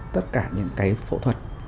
tất cả những cái phẫu thuật